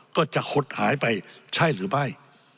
ก็จะหดหายไปใช่หรือไม่